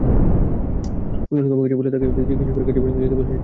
ওজন কমে গেছে বলে তাঁকে চিকিৎসকের কাছে পর্যন্ত যেতে বলেছেন ব্র্যাড।